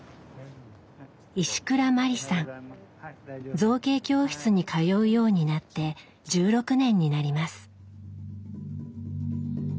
造形教室に通うようになって１６年になります。